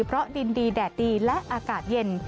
เพราะดินดีแดดดีและอากาศเย็น